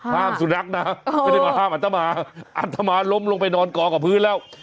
สุนัขนะไม่ได้มาห้ามอัตมาอัตมาล้มลงไปนอนกองกับพื้นแล้ว